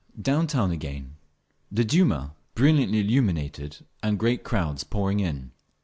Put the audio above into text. Down town again. The Duma brilliantly illuminated and great crowds pouring in.